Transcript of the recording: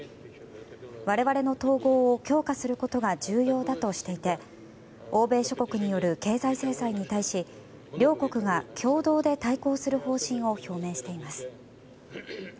我々の統合を強化することが重要だとしていて欧米諸国による経済制裁に対し両国が共同で対抗する方針を表明しています。